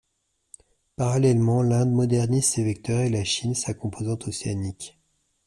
Parallèlement, l’Inde modernise ses vecteurs et la Chine sa composante océanique.